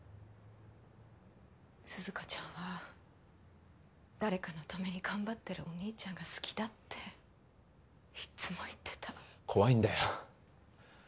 涼香ちゃんは「誰かのために頑張ってる」「お兄ちゃんが好きだ」っていっつも言ってた怖いんだよ